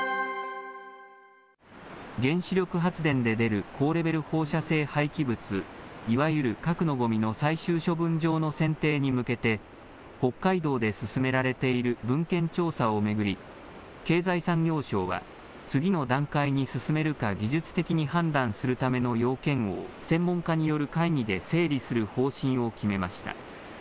原子力発電で出る高レベル放射性廃棄物、いわゆる核のごみの最終処分場の選定に向けて、北海道で進められている文献調査を巡り、経済産業省は、次の段階に進めるか技術的に判断するための要件を、専門家による会議で整理する方針を決めました。